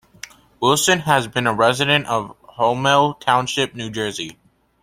Wilson has been a resident of Holmdel Township, New Jersey.